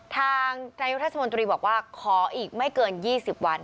นายุทธมนตรีบอกว่าขออีกไม่เกิน๒๐วัน